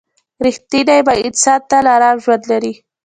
• رښتینی انسان تل ارام ژوند لري.